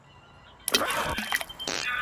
دلته کښېناستل زما د روح لپاره یوه دعا ده.